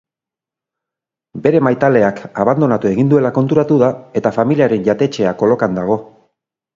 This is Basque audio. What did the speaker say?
Bere maitaleak abandonatu egin duela konturatuko da, eta familiaren jatetxea kolokan dago.